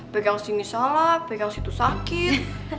pegang sini salah pegang situ sakit